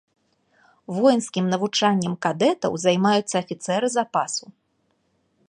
Воінскім навучаннем кадэтаў займаюцца афіцэры запасу.